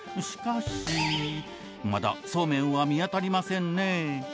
しかしまだそうめんは見当たりませんね